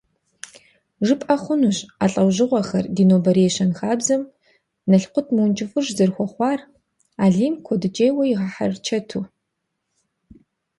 ЖыпӀэ хъунущ а лӀыхъужьыгъэхэр ди нобэрей щэнхабзэм налкъут мыункӀыфӀыж зэрыхуэхъуар Алим куэдыкӀейкӀэ игъэхьэрычэту.